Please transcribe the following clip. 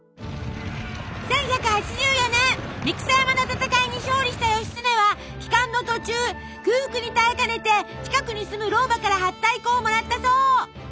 １１８４年三草山の戦いに勝利した義経は帰還の途中空腹に耐えかねて近くに住む老婆からはったい粉をもらったそう。